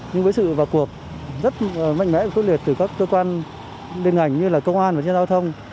nhưng với sự vào cuộc rất mạnh mẽ và tốt liệt từ các cơ quan liên hành như là công an và nhân giao thông